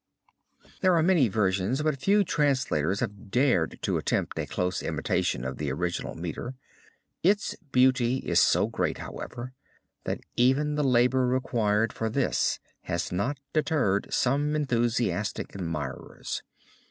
There are many versions, but few translators have dared to attempt a close imitation of the original meter. Its beauty is so great, however, that even the labor required for this has not deterred some enthusiastic admirers.